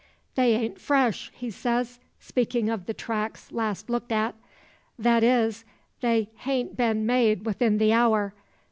"They aint fresh," he says, speaking of the tracks last looked at. "Thet is, they hain't been made 'ithin the hour.